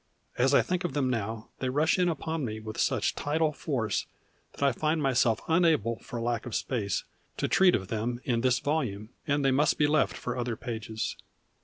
As I think of them now they rush in upon me with such tidal force that I find myself unable for lack of space to treat of them in this volume, and they must be left for other pages.